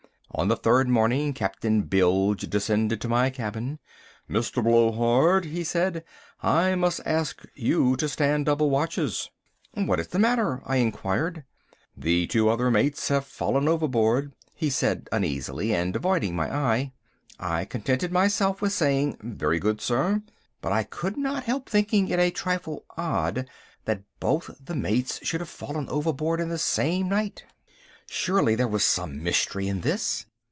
On the third morning Captain Bilge descended to my cabin. "Mr. Blowhard," he said, "I must ask you to stand double watches." "What is the matter?" I inquired. "The two other mates have fallen overboard," he said uneasily, and avoiding my eye. I contented myself with saying "Very good, sir," but I could not help thinking it a trifle odd that both the mates should have fallen overboard in the same night. Surely there was some mystery in this.